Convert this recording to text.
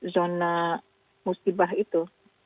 zona musibah itu